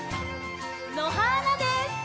のはーなです！